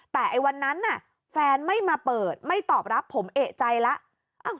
แต่วันนั้นแฟนไม่มาเปิดไม่ตอบรับผมเอกใจแล้ว